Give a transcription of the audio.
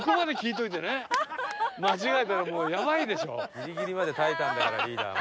ギリギリまで耐えたんだからリーダーも。